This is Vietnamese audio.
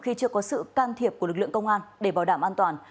khi chưa có sự can thiệp của lực lượng công an để bảo đảm an toàn